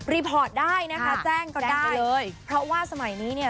พอร์ตได้นะคะแจ้งก็ได้เลยเพราะว่าสมัยนี้เนี่ย